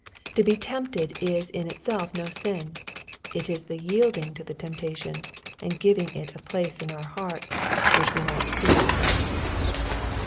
To be tempted is in itself no sin. It is the yielding tq^the temptation, and giving it a place in our hearts, which we must fear.